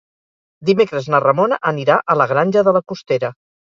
Dimecres na Ramona anirà a la Granja de la Costera.